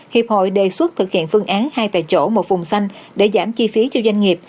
hiệp hội đề xuất thực hiện phương án hai tại chỗ một vùng xanh để giảm chi phí cho doanh nghiệp